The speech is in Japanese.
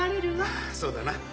ああそうだな。